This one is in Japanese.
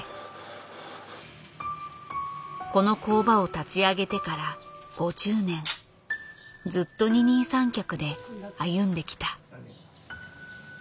この工場を立ち上げてから５０年ずっと二人三脚で歩んできた。